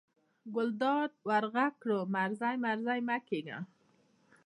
ګلداد ور غږ کړل: مزری مزری مه کېږه.